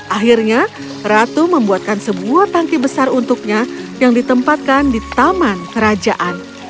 akhirnya ratu membuatkan sebuah tangki besar untuknya yang ditempatkan di taman kerajaan